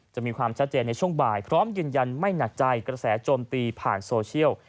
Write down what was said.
จะมีความชัดเจนในช่วงบ่ายพร้อมยืนยันไม่หนักใจกระแสโจมตีผ่านโซเชียล